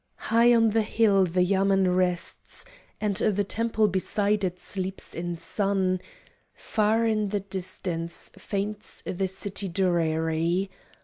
High on the hill the yamên rests And the temple beside it sleeps in sun, Far in the distance faints the city dreary.